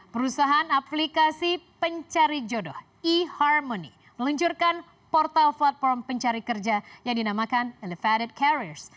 perusahaan aplikasi pencari jodoh e harmony meluncurkan portal platform pencari kerja yang dinamakan elevated carriers